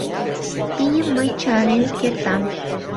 Пийым мый чарен кертам